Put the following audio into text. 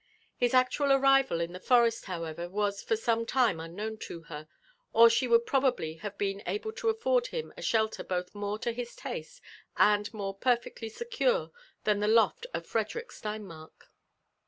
His actual arrival fn the forest* bowei^r, was for some time unknown to her, or she would probably have bMl able to afford him a shelter both more to his taste and mdi^ perfeellf secure than the loft of Frederick Steinmark.